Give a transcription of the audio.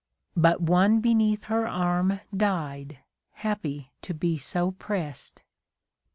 But one beneath her arm died, happy to be so prest !.